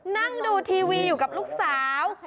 นั่งดูทีวีอยู่กับลูกสาว